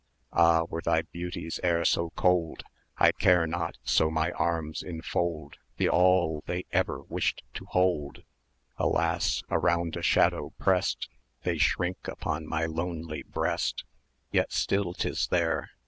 Ah! were thy beauties e'er so cold, I care not so my arms enfold The all they ever wished to hold. Alas! around a shadow prest They shrink upon my lonely breast; Yet still 'tis there!